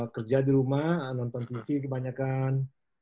kerja di rumah nonton tv kebanyakan